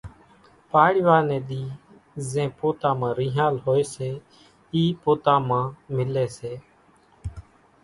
پاڙوا ني ۮي زين پوتا مان رينۿال ھوئي سي اِي پوتا مان ملي سي